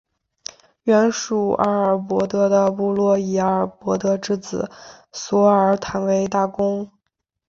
原属阿尔帕德的部落以阿尔帕德之子索尔坦为大公。